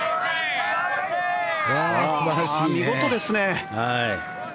見事ですね。